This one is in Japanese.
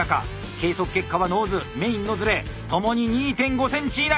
計測結果はノーズメインのズレともに２．５ｃｍ以内。